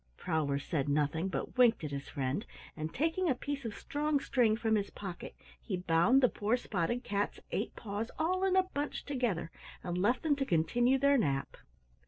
Prowler said nothing, but winked at his friend, and taking a piece of strong string from his pocket, he bound the poor spotted cats' eight paws all in a bunch together and left them to continue their nap.